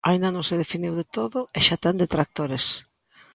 Aínda non se definiu de todo e xa ten detractores.